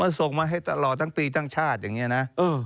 มันส่งมาให้ตลอดทั้งปีทั้งชาติอย่างนี้นะ